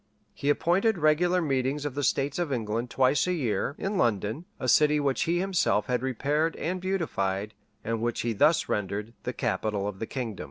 He appointed regular meetings of the states of England twice a year, in London,[*] a city which he himself had repaired and beautified, and which he thus rendered the capital of the kingdom.